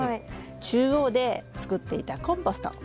中央で作っていたコンポスト